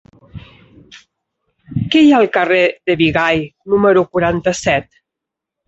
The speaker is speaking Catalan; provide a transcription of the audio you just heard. Què hi ha al carrer de Bigai número quaranta-set?